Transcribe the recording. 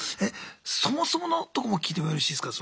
そもそものとこも聞いてもよろしいですか？